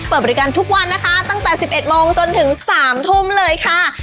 เปิดบริการทุกวันนะคะตั้งแต่๑๑โมงจนถึง๓ทุ่มเลยค่ะ